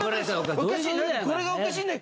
これがおかしいのよ。